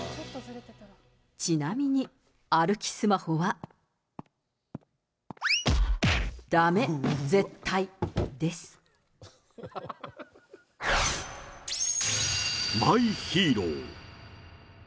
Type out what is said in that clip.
ちなみに、歩きスマホはだめ、絶対、です。マイヒーロー。